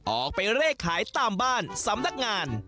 ออกไปเลขขายตามบ้านสำนักงาน